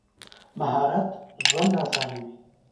مهارت ژوند اسانوي.